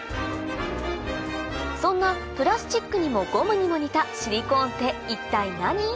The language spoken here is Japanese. そんなプラスチックにもゴムにも似たシリコーンって一体何？